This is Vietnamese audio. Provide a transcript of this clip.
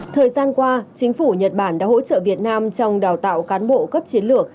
thời gian qua chính phủ nhật bản đã hỗ trợ việt nam trong đào tạo cán bộ cấp chiến lược